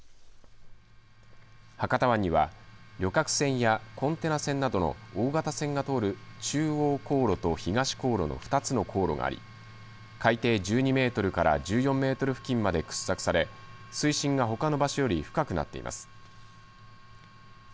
博多湾には、旅客船やコンテナ船などの大型船が通る中央航路と東航路の２つの航路があり海底１２メートルから１４メートル付近まで掘削され水深がほかの場所より深くなっています。